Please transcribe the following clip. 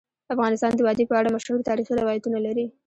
افغانستان د وادي په اړه مشهور تاریخی روایتونه لري.